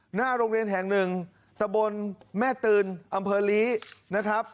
หน้าโรงเรียนแห่งหนึ่งตะบนแม่ตืนอำเภอลีนะครับ